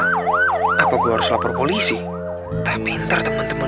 masa sih ada tau